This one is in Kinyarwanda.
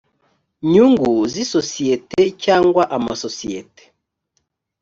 nyungu z isosiyete cyangwa amasosiyete